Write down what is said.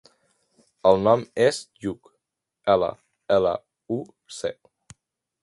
El nom és Lluc: ela, ela, u, ce.